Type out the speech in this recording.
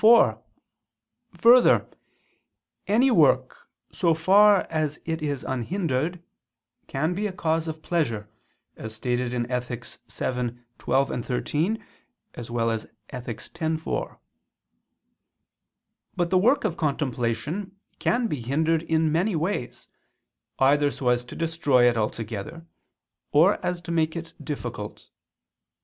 4: Further, any work, so far as it is unhindered, can be a cause of pleasure, as stated in Ethic. vii, 12, 13; x, 4. But the work of contemplation can be hindered in many ways, either so as to destroy it altogether, or as to make it difficult.